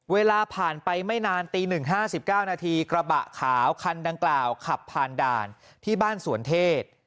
เวลาผ่านไปไม่นานตี๑๕๙นาทีกระบะขาวคันดังกล่าวขับผ่านด่านที่บ้านสวนเทศ